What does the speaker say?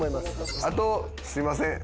あとすいません。